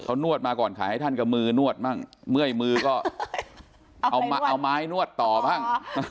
เขานวดมาก่อนขายให้ท่านกับมือนวดบ้างเมื่อยมือก็เอาไม้นวดต่อบ้าง